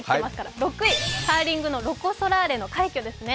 ６位、カーリングのロコ・ソラーレ快挙ですね。